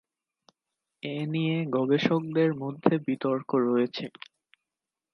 এ নিয়ে গবেষকদের মধ্যে বিতর্ক রয়েছে।